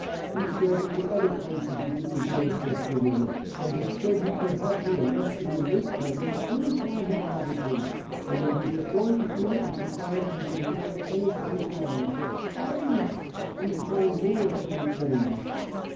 He said there were other places you didn't dare set foot in, and he said he could have you arrested in this country any time he wanted to, and that he was going to do it if he found you'd been doing anything wrong. Oh, yes, he told me a few things!"